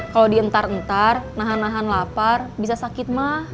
kalau dientar entar nahan nahan lapar bisa sakit mah